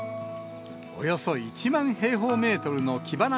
およそ１万平方メートルのキバナ